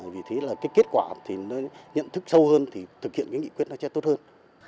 vì thế là cái kết quả thì nó nhận thức sâu hơn thì thực hiện cái nghị quyết nó sẽ tốt hơn